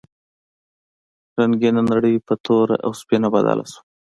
رنګینه نړۍ په توره او سپینه بدله شوه.